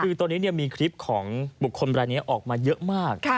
คือตอนนี้มีคลิปของบุคคลรายนี้ออกมาเยอะมาก